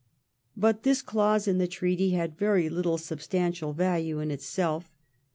But this clause in the treaty had very little substan tial value in itself.